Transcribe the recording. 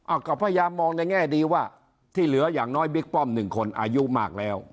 เอาก็พยายามมองในแง่ดีว่าที่เหลืออย่างน้อยบิ๊กป้อมหนึ่งคนอายุมากแล้ว